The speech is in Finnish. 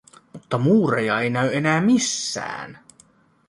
Mutta muureja ei näy enää missään.